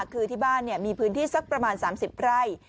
คือที่บ้านเนี่ยมีพื้นที่สักประมาณสามสิบไร่